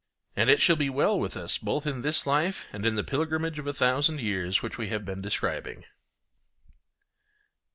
And it shall be well with us both in this life and in the pilgrimage of a thousand years which we have been describing.